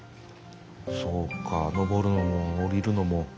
そうか上るのも下りるのも。